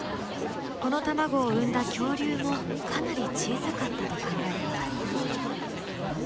この卵を産んだ恐竜もかなり小さかったと考えています。